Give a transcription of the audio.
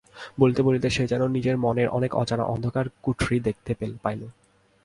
বলিতে বলিতে সে যেন নিজের মনের অনেক অজানা অন্ধকার কুঠরি দেখিতে পাইল।